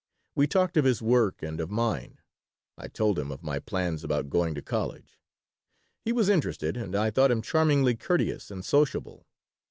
We talked of his work and of mine. I told him of my plans about going to college. He was interested and I thought him charmingly courteous and sociable.